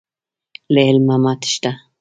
له علمه مه تښته.